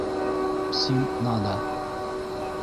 Псим нада!